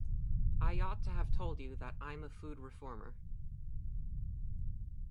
I ought to have told you that I'm a Food Reformer.